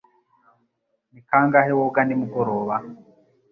Ni kangahe woga nimugoroba?